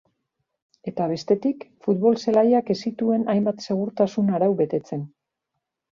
Eta bestetik, futbol-zelaiak ez zituen hainbat segurtasun arau betetzen.